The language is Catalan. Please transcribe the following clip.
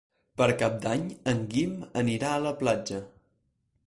Per Cap d'Any en Guim anirà a la platja.